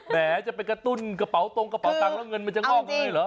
แบบจะเป็นกระตุ้นกระเป๋าตรงกระเป๋าตังแล้วเงินมันจะน่องขึ้นด้วยเหรอ